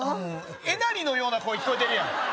えなりのような声聞こえてるやん